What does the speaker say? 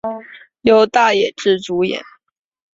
由大野智主演。